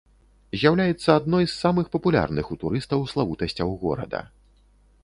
З'яўляецца адной з самых папулярных у турыстаў славутасцяў горада.